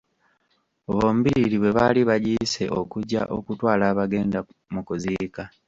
Bombiriri bwe baali bagiyise okujja okutwala abagenda mu kuziika.